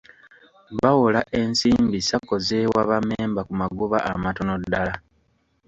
Bawola ensimbi Sacco z'ewa bammemba ku magoba amatono ddala.